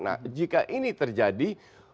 nah jika ini terjadi